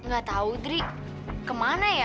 gak tahu dri kemana ya